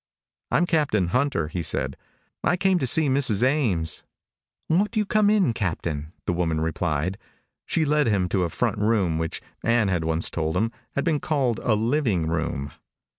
"I'm Captain Hunter," he said. "I came to see Mrs. Ames." "Won't you come in, Captain?" the woman replied. She led him into a front room which, Ann had once told him, had been called a living room.